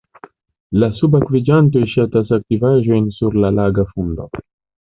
La subakviĝantoj ŝatas aktivaĵojn sur la laga fundo.